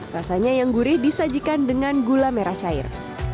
rasanya yang gurih disajikan dengan gula merah cair